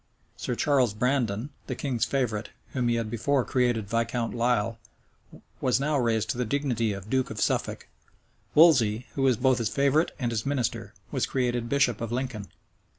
Sir Charles Brandon, the king's favorite, whom he had before created Viscount Lisle, was now raised to the dignity of duke of Suffolk. Wolsey, who was both his favorite and his minister, was created bishop of Lincoln.